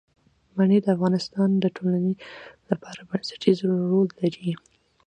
منی د افغانستان د ټولنې لپاره بنسټيز رول لري.